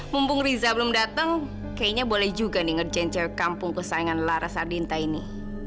mumpung riza belum datang kayaknya boleh juga nih ngerjang kampung kesayangan lara sardinta ini